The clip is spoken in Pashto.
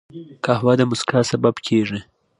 قهوه د مسکا سبب کېږي